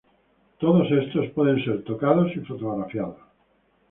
Todo estos pueden ser tocados y fotografió.